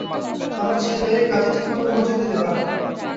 আমার ছেলে কাজে ঠিকমত মনোযোগ দিতে পারে না।